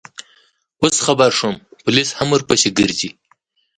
اوس خبر شوم، پولیس هم ورپسې ګرځي.